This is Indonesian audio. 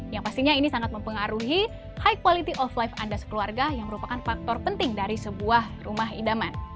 yang pastinya ini sangat mempengaruhi high quality of life anda sekeluarga yang merupakan faktor penting dari sebuah rumah idaman